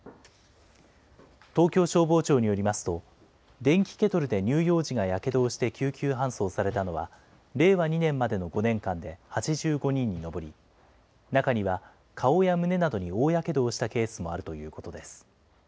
東京消防庁によりますと、電気ケトルで乳幼児がやけどをして救急搬送されたのは、令和２年までの５年間で８５人に上り、中には顔や胸などに大やけどをしたケースもあるということです。